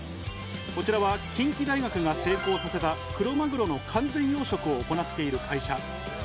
こちらは近畿大学が成功させたクロマグロの完全養殖を行っている会社。